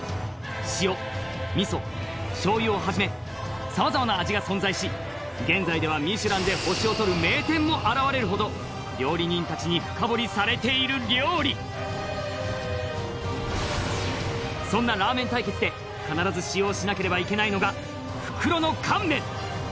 塩味醤油をはじめさまざまな味が存在し現在ではミシュランで星を取る名店も現れるほど料理人たちに深掘りされている料理そんなラーメン対決で必ず使用しなければいけないのが袋の乾麺